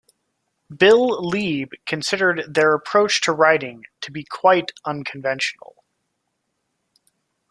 Bill Leeb considered their approach to writing to be quite unconventional.